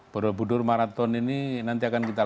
burbudur marathon ini nanti akan kita